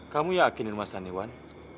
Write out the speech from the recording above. kamu yakin ini rumah santi wan